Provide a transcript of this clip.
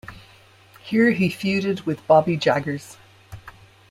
Here he feuded with Bobby Jaggers.